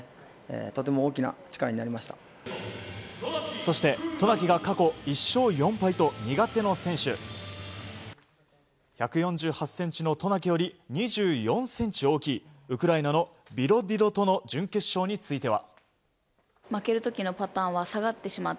そして渡名喜が過去１勝４敗と苦手の選手１４８ｃｍの渡名喜より２４ｃｍ大きいウクライナのビロディドとの準決勝については。